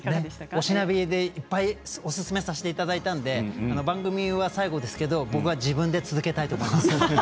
「推しナビ！」でいっぱいお勧めさせていただいたので番組は最後ですが僕は自分で続けたいと思います。